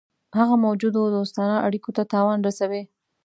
هغه موجودو دوستانه اړېکو ته تاوان رسوي.